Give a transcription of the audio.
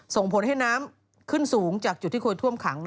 ส่งผลให้น้ำขึ้นสูงจากจุดที่ควรท่วมขัง